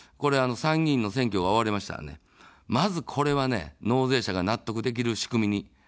参議院の選挙が終わりましたら、まず、これは納税者が納得できる仕組みに変えていく。